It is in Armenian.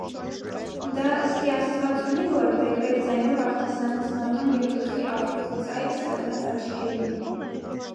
- Դա ըսկի աստված ունի՞ որ,- բեկբեկ ձայնով արտասանեց Նատոն և գլխի աղլուխի ծայրը սեղմեց աչքերին: